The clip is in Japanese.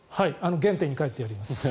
原点に返ってやります。